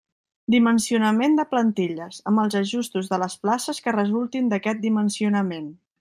Dimensionament de plantilles, amb els ajustos de les places que resultin d'aquest dimensionament.